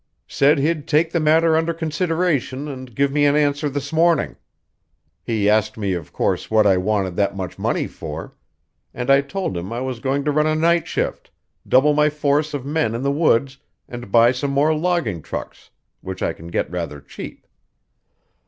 "Said he'd take the matter under consideration and give me an answer this morning. He asked me, of course, what I wanted that much money for, and I told him I was going to run a night shift, double my force of men in the woods, and buy some more logging trucks, which I can get rather cheap.